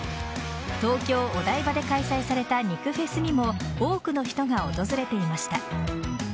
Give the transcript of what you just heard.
東京・お台場で開催された肉フェスにも多くの人が訪れていました。